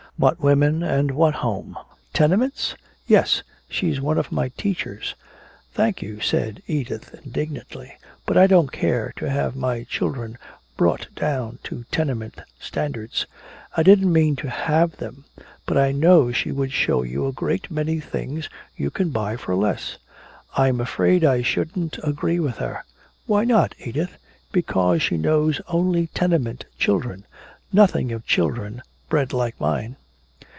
"What women? And what homes? Tenements?" "Yes. She's one of my teachers." "Thank you!" said Edith indignantly. "But I don't care to have my children brought down to tenement standards!" "I didn't mean to have them! But I know she could show you a great many things you can buy for less!" "I'm afraid I shouldn't agree with her!" "Why not, Edith?" "Because she knows only tenement children nothing of children bred like mine!"